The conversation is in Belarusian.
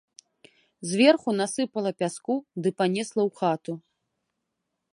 Зверху насыпала пяску ды панесла ў хату.